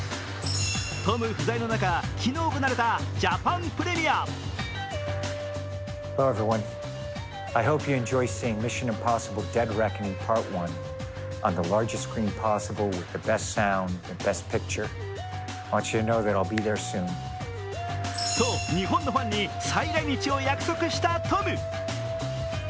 トム不在の中、昨日行われたジャパンプレミア。と、日本のファンに再来日を約束したトム。